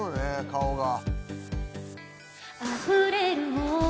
顔が。